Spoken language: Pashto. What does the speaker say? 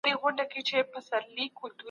د ارغنداب سیند شاوخوا سیمې شنې او سرسبزي دي.